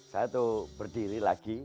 saya berdiri lagi